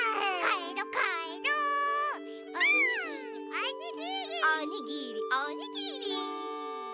おにぎりおにぎり！